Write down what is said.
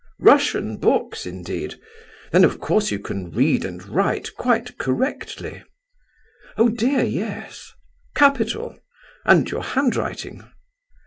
"Russian books, indeed? Then, of course, you can read and write quite correctly?" "Oh dear, yes!" "Capital! And your handwriting?"